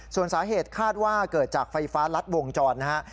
ส่วนสาเหตุคาดว่าเกิดจากไฟฟ้ารัดวงจรนะครับ